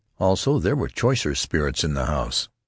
Also, there were choicer spirits in the house.